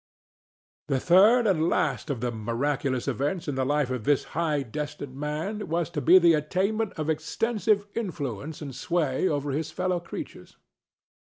The third and last of the miraculous events in the life of this high destined man was to be the attainment of extensive influence and sway over his fellow creatures.